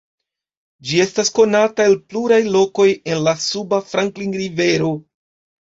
Ĝi estas konata el pluraj lokoj en la suba Franklin Rivero.